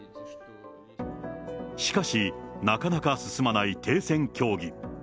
しかし、なかなか進まない停戦協議。